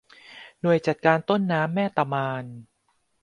หน่วยจัดการต้นน้ำแม่ตะมาน